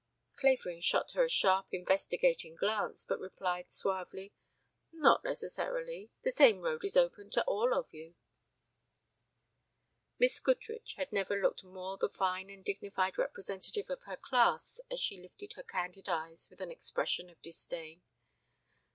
Clavering shot her a sharp investigating glance, but replied suavely: "Not necessarily. The same road is open to all of you." Miss Goodrich had never looked more the fine and dignified representative of her class as she lifted her candid eyes with an expression of disdain.